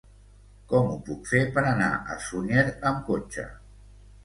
Com ho puc fer per anar a Sunyer amb cotxe?